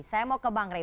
saya mau ke bang ray